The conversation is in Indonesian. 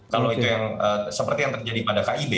kalau itu yang seperti yang terjadi pada kib